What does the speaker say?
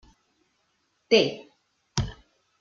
Té.